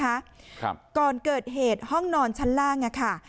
ครับก่อนเกิดเหตุห้องนอนชั้นล่างอ่ะค่ะ